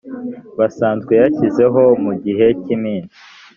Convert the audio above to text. basanzwe yashyizeho mu gihe cy iminsi